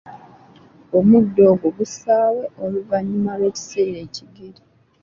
Omuddo ogwo gusaawe oluvanyuma lw‘ekiseera ekigere.